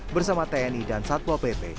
bersama tni dan satpol pp